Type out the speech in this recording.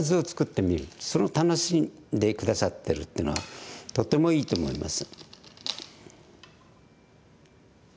それを楽しんで下さってるっていうのはとてもいいと思います。